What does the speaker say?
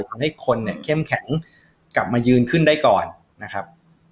ทำให้คนเนี่ยเข้มแข็งกลับมายืนขึ้นได้ก่อนนะครับ